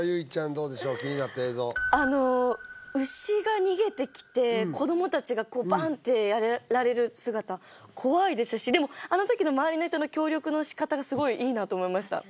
どうでしょう気になった映像牛が逃げてきて子ども達がバンッてやられる姿怖いですしでもあの時の周りの人の協力のしかたがすごいいいなと思いました